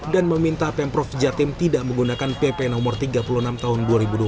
dan meminta pemprov jatim tidak menggunakan pp nomor tiga puluh enam tahun dua ribu dua puluh satu